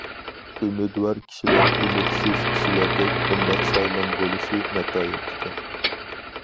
ئۈمىدۋار كىشىلەر ئۈمىدسىز كىشىلەردەك ئۇنداق ساغلام بولۇشى ناتايىن ئىكەن.